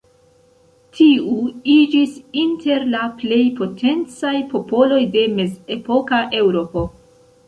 Tiu iĝis inter la plej potencaj popoloj de mezepoka Eŭropo.